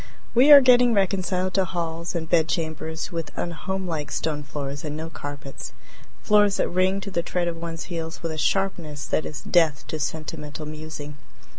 We are getting reconciled to halls and bedchambers with unhomelike stone floors and no carpets floors that ring to the tread of one's heels with a sharpness that is death to sentimental musing.